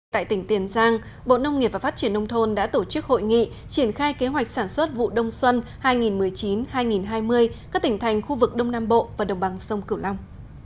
tại tỉnh tiền giang bộ nông nghiệp và phát triển nông thôn đã tổ chức hội nghị triển khai kế hoạch sản xuất vụ đông xuân hai nghìn một mươi chín hai nghìn hai mươi các tỉnh thành khu vực đông nam bộ và đồng bằng sông cửu long